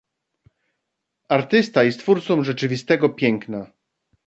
Artysta jest twórcą rzeczywistego piękna.